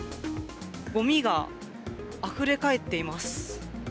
ごみがあふれ返っています。